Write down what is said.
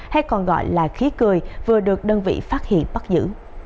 hay còn gọi là khí cười vừa được đơn vị phát hiện bắt giữ